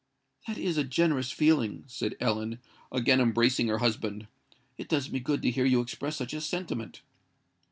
"That is a generous feeling," said Ellen, again embracing her husband: "it does me good to hear you express such a sentiment."